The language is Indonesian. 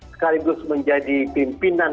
sekaligus menjadi pimpinan